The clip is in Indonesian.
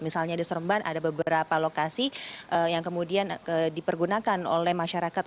misalnya di seremban ada beberapa lokasi yang kemudian dipergunakan oleh masyarakat